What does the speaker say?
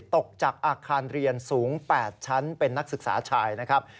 ตกจากอาคารเรียนสูง๘ชั้นเป็นนักศึกษาชายนะครับ